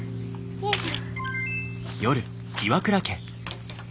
よいしょ。